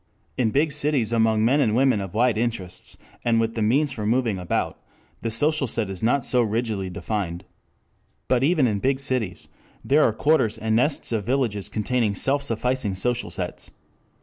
In big cities among men and women of wide interests and with the means for moving about, the social set is not so rigidly defined. But even in big cities, there are quarters and nests of villages containing self sufficing social sets.